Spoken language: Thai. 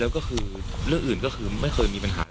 แล้วก็คือเรื่องอื่นก็คือไม่เคยมีปัญหา